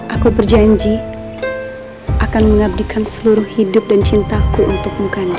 aku berjanji akan mengabdikan seluruh hidup dan cintaku untukmu kan